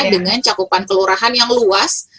dengan cakupan kelurahan yang luas